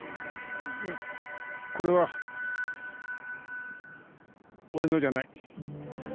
いやこれは俺のじゃない。